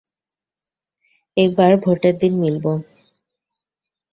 একবারে ভোটের দিন মিলবো।